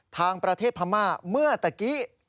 ทางประเทศพม่าเมื่อตะกี้